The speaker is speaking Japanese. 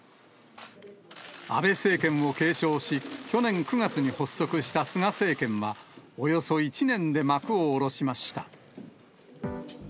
安倍政権を継承し、去年９月に発足した菅政権は、およそ１年で幕を下ろしました。